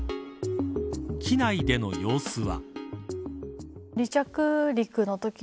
機内での様子は。